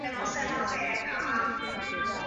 好像蛮多地方停电了